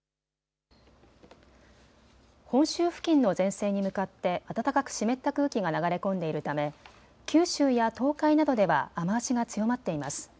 本州付近の前線に向かって暖かく湿った空気が流れ込んでいるため九州や東海などでは雨足が強まっています。